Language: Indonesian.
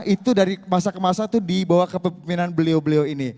itu dari masa ke masa itu dibawa ke pembinaan beliau beliau ini